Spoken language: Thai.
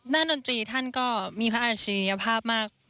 ด้านดนตรีท่านก็มีพระอัจฉริยภาพ